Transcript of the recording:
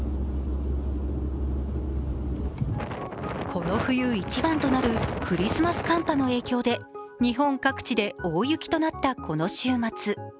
この冬一番となるクリスマス寒波の影響で日本各地で大雪となったこの週末。